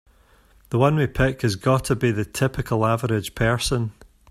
The one we pick has gotta be the typical average person.